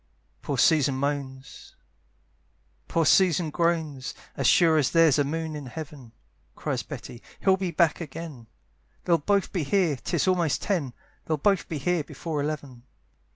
Poor Susan moans, poor Susan groans, "As sure as there's a moon in heaven," Cries Betty, "he'll be back again; "They'll both be here, 'tis almost ten, "They'll both be here before eleven."